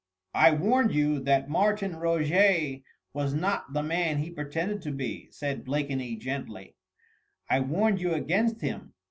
"I warned you that Martin Roget was not the man he pretended to be," said Blakeney gently, "I warned you against him.